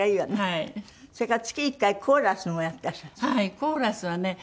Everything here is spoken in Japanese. コーラスはね